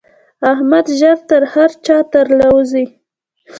احمد ژر تر هر چا تر له وزي.